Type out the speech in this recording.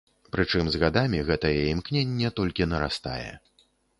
Прычым з гадамі гэтае імкненне толькі нарастае.